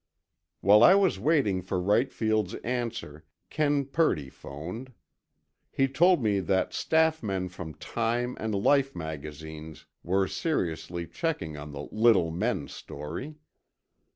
While I was waiting for Wright Field's answer, Ken Purdy phoned. He told me that staff men from Time and Life magazines were seriously checking on the "little men" story.